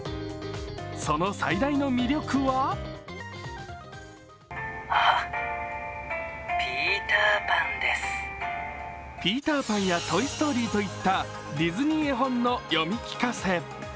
その最大の魅力は「ピーター・パン」や「トイ・ストーリー」といったディズニー絵本の読み聞かせ。